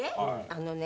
あのね。